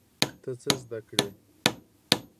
ته څه زده کړې؟